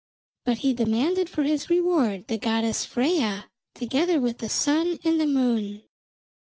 But he demanded for his reward the goddess Freyja, together with the sun and moon.